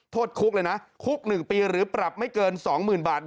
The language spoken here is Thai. โทษคุกเลยนะคุก๑ปีหรือปรับไม่เกิน๒๐๐๐บาท